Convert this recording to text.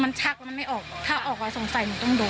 มันชักแล้วมันไม่ออกถ้าออกมาสงสัยหนูต้องโดน